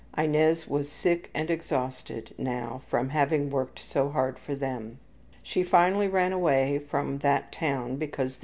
Inez was sick and exhausted now from having worked so hard for them. She finally ran away from that town because the B.'